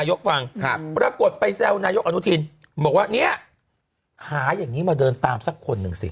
ยังไปแซวรองนายก